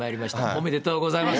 おめでとうございます。